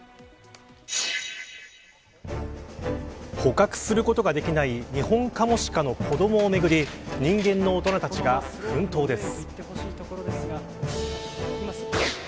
捕獲することができないニホンカモシカの子どもをめぐり人間の大人たちが奮闘です。